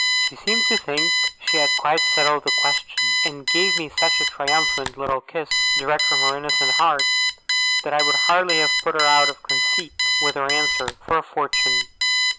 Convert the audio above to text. She seemed to think she had quite settled the question, and gave me such a triumphant little kiss, direct from her innocent heart, that I would hardly have put her out of conceit with her answer, for a fortune.